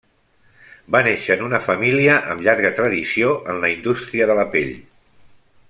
Va néixer en una família amb llarga tradició en la indústria de la pell.